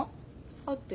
会ってる。